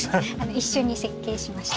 一緒に設計しました。